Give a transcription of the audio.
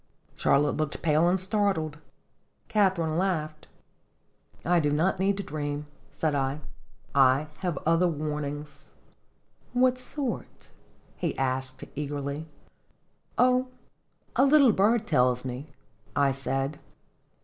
Charlotte looked pale and startled. Kath arine laughed. " 1 do not need to dream," said I. "I have other warnings." " What sort?" he asked, eagerly. " Oh a little bird tells me," 1 said.